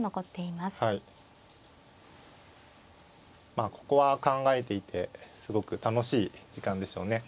まあここは考えていてすごく楽しい時間でしょうね。